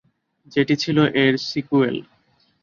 যেটি ছিল এর সিকুয়েল।